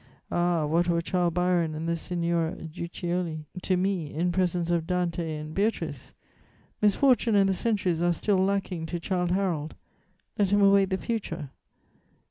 Ah, what were Childe Harold and the Signora Guiccioli to me in presence of Dante and Beatrice! Misfortune and the centuries are still lacking to Childe Harold; let him await the future.